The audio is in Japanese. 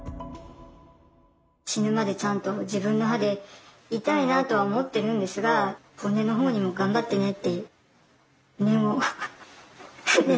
死ぬまでちゃんと自分の歯でいたいなとは思ってるんですが骨の方にも頑張ってねって念をフフッ念じてます。